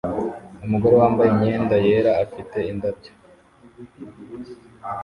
Umugore wambaye imyenda yera afite indabyo